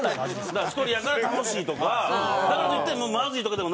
だから１人やから楽しいとかだからといってまずいとかでもない。